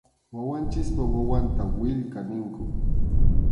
Wawanchikpa wawanta willka ninkum.